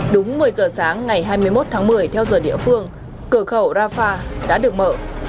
đúng một mươi giờ sáng ngày hai mươi một tháng một mươi theo giờ địa phương cửa khẩu rafah đã được mở